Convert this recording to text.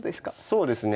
そうですね。